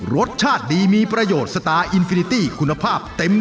รสชาติดีมีประโยชน์สตาร์อินฟินิตี้คุณภาพเต็ม